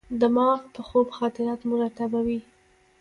دماغ په خوب خاطرات مرتبوي.